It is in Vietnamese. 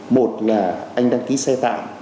một là anh đăng ký xe thạm